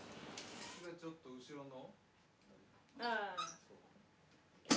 ちょっと後ろの？